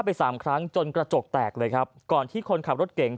ไปสามครั้งจนกระจกแตกเลยครับก่อนที่คนขับรถเก่ง